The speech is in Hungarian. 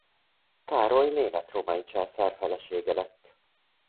Károly német-római császár felesége lett.